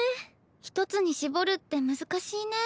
一つに絞るって難しいね。